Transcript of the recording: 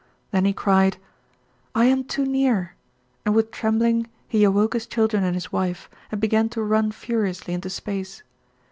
Then he cried, 'I am too near!' and with trembling he awoke his children and his wife, and began to run furiously into space.